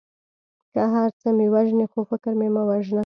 که هر څه مې وژنې خو فکر مې مه وژنه.